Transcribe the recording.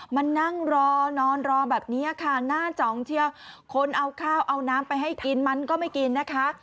มานั่งรอนอนรอแบบนี้ค่ะหน้าจองเชียวคนเอาข้าวเอาน้ำไปให้กินมันก็ไม่กินนะคะ